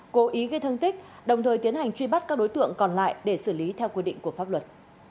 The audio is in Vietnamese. cố ý gây thương tích đồng thời tiến hành truy bắt các đối tượng còn lại để xử lý theo quy định của pháp luật